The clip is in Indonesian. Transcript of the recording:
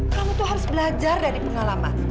kamu tuh harus belajar dari pengalaman